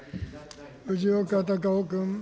藤岡隆雄君。